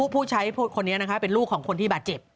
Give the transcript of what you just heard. ผู้ใช้คนนี้นะคะเป็นลูกของคนที่บาดเจ็บ